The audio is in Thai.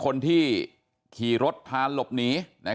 ครอบครัวญาติพี่น้องเขาก็โกรธแค้นมาทำแผนนะฮะ